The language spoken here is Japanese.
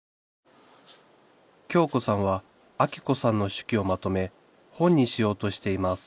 京子さんはアキ子さんの手記をまとめ本にしようとしています